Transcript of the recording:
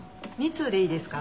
２通でいいですか？